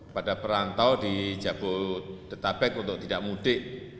pada perantau di jabodetabek untuk tidak mudik